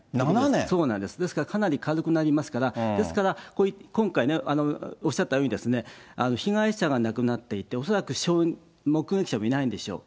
そうなんです、ですからかなり軽くなりますから、ですから、今回ね、おっしゃったように、被害者が亡くなっていて、恐らく目撃者もいないんでしょう。